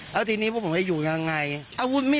แล้วทีนี้พวกผมจะอยู่ยังไง